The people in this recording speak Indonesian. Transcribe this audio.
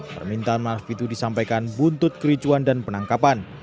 permintaan maaf itu disampaikan buntut kericuan dan penangkapan